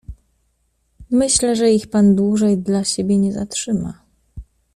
"Myślę, że ich pan dłużej dla siebie nie zatrzyma."